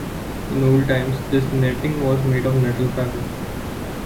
In old times this netting was made of nettle fiber.